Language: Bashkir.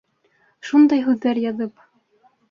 Шундай һүҙҙәр яҙып...